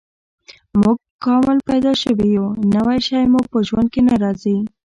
موږ کامل پیدا شوي یو، نوی شی مو په ژوند کې نه راځي.